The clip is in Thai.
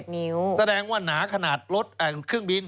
นิ้วแสดงว่าหนาขนาดรถเครื่องบิน